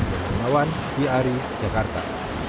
dari penyelamatan b a r i jakarta